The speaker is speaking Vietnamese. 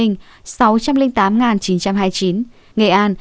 nghệ an bốn trăm tám mươi ba bốn trăm hai mươi chín